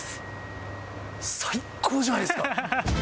最高じゃないですか。